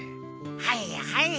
はいはい。